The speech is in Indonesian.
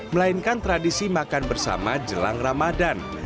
melainkan tradisi makan bersama jelang ramadan